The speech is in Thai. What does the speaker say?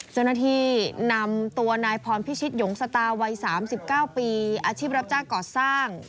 เจ้าหน้าที่นำตัวนายพรพิชิตหยงสตาวัย๓๙ปีอาชีพรับจ้างก่อสร้าง